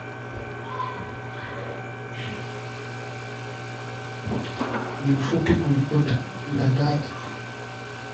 Ni mfupi kuliko dadake